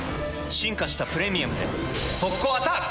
進化した「プレミアム」で速攻アタック！